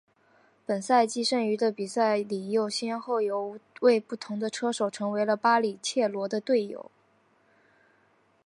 本赛季剩余的比赛里又先后有五位不同的车手成为了巴里切罗的队友。